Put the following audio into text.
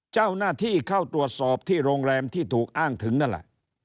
เจ้าหน้าที่เข้าตรวจสอบที่โรงแรมที่ถูกอ้างถึงนั่นแหละ